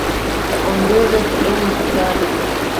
Ongeza kidogo sukari.